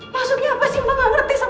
maksudnya apa sih mbak nggak ngerti sama